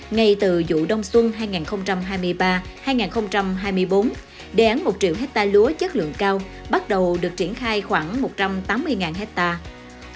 ngay từ vụ đông xuân hai nghìn hai mươi ba hai nghìn hai mươi bốn đề án một triệu hectare lúa chất lượng cao bắt đầu được triển khai khoảng một trăm tám mươi hectare